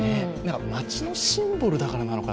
街のシンボルだからなのかな。